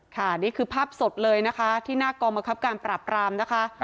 นี่คือภาพสดเลยนะคะที่หน้ากองบังคับการปราบรามนะคะ